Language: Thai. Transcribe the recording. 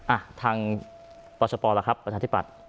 อ่ะทางปลอสโปร์ล่ะครับประธานที่ปัด